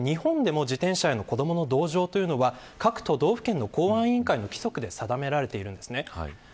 日本でも自転車への子どもの同乗は各都道府県の公安委員会の規則で定められています。